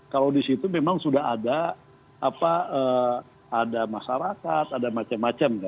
kalau di situ memang sudah ada masyarakat ada macam macam